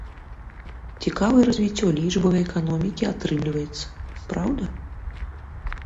Цікавае развіццё лічбавай эканомікі атрымліваецца, праўда?